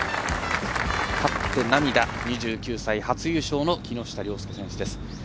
勝って涙、２９歳、初優勝の木下稜介選手です。